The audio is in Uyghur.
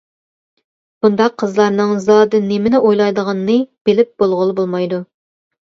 بۇنداق قىزلارنىڭ زادى نېمىنى ئويلايدىغىنىنى بىلىپ بولغىلى بولمايدۇ.